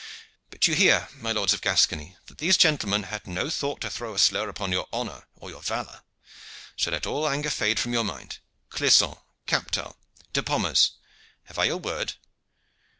But you hear, my lords of Gascony, that these gentlemen had no thought to throw a slur upon your honor or your valor, so let all anger fade from your mind. Clisson, Captal, De Pommers, I have your word?"